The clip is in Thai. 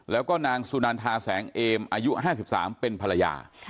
แล้วก็นางสุนันทาแสงเอมอายุ๕๓เป็นภรรยา